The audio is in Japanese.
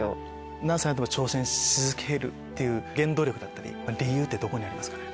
何歳になっても挑戦し続ける原動力だったり理由ってどこにありますかね？